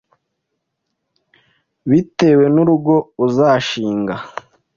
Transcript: bitewe n’urugo uzashinga.